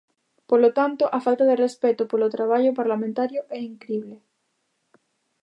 Polo tanto, a falta de respecto polo traballo parlamentario é incrible.